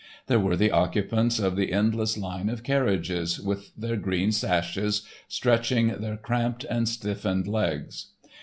There were the occupants of the endless line of carriages, with their green sashes, stretching their cramped and stiffened legs.